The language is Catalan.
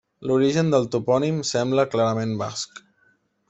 L'origen del topònim sembla clarament basc.